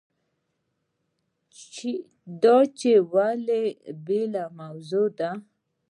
دا چې ولې بېله موضوع ده.